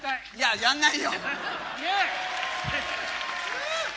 やらないよ。